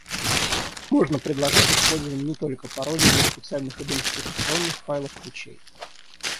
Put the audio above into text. Можно предложить использование не только паролей, но и специальных идентификационных файлов-ключей